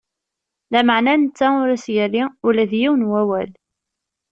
Lameɛna netta ur s-yerri ula d yiwen n wawal.